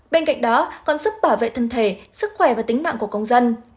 bên cạnh đó còn giúp bảo vệ thân thể sức khỏe và tính mạng của công dân